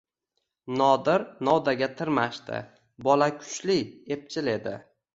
Nodir novdaga tirmashdi, bola kuchli, epchil edi.